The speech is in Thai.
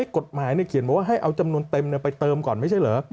กฎหมายเขียนบอกว่าให้เอาจำนวนเต็มไปเติมก่อนไม่ใช่เหรอ